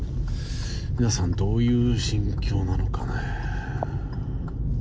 皆さん、どういう心境なのかね。